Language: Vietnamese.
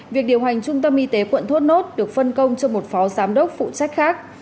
việc điều hành trung tâm y tế quận thốt nốt được phân công cho một phó giám đốc phụ trách khác